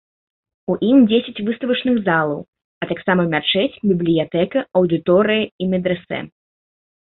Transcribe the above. У ім дзесяць выставачных залаў, а таксама мячэць, бібліятэка, аўдыторыі і медрэсэ.